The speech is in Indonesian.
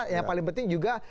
yang paling penting juga